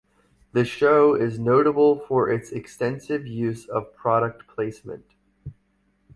The show is notable for its extensive use of product placement.